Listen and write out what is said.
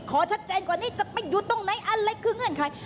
ขอชัดเจนกว่านี้จะไปอยู่ตรงไหนอะไรคือเงื่อนไข